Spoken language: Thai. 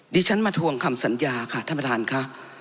ดิฉันมาทวงคำสัญญาค่ะท่านประธานค่ะ